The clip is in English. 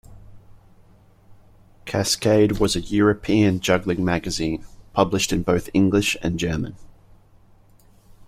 "Kaskade" was a European juggling magazine, published in both English and German.